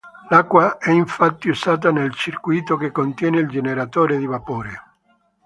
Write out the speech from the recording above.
L'acqua è infatti usata nel circuito che contiene il generatore di vapore.